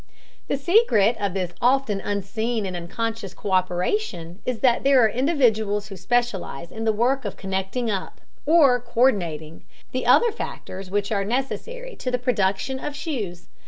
The secret of this often unseen and unconscious co÷peration is that there are individuals who specialize in the work of connecting up, or co÷rdinating, the other factors which are necessary to the production of shoes.